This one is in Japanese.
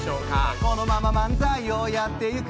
このまま漫才をやっていく。